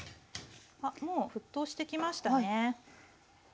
あっもう沸騰してきましたね。